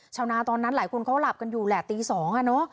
ชาวนาตอนนั้นหลายคนเขาหลับกันอยู่แหละตี๒อ่ะเนอะ